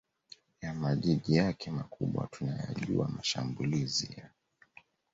ya majiji yake makubwa Tunayajua mashambulizi ya